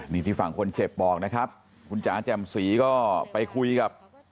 นี่ที่ฝั่งคนเจ็บบอกนะครับคุณจ๋าแจ่มสีก็ไปคุยกับ